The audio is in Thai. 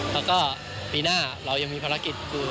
แล้วก็ปีหน้าเรายังมีภารกิจคือ